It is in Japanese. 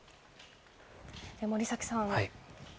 森崎さん。